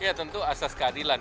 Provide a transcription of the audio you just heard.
ya tentu asas keadilan